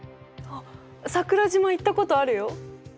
あっ桜島行ったことあるよ！